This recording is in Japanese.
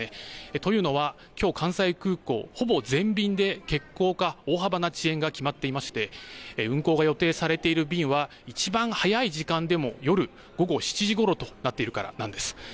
というのはきょう関西空港、ほぼ全便で欠航か大幅な遅延が決まっていまして運航が予定されている便はいちばん早い時間でも夜、午後７時ごろとなっているからです。